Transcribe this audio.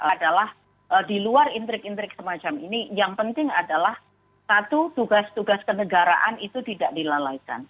adalah di luar intrik intrik semacam ini yang penting adalah satu tugas tugas kenegaraan itu tidak dilalaikan